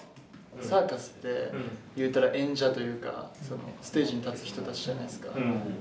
サーカスっていうたら演者というかステージに立つ人たちじゃないですか。